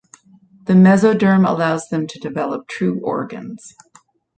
The mesoderm allows them to develop true organs.